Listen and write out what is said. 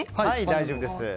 大丈夫です。